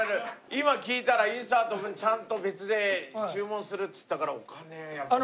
今聞いたらインサート分ちゃんと別で注文するっつったからお金やっぱすごいな。